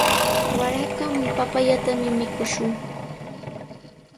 Waraqa papayatami mikushun.